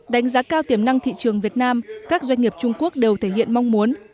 đánh giá cao tiềm năng thị trường việt nam các doanh nghiệp trung quốc đều thể hiện mong muốn